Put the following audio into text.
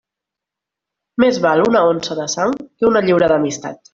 Més val una onça de sang que una lliura d'amistat.